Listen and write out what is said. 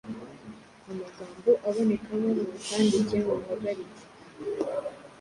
Amagambo abonekamo mu butambike, mu buhagarike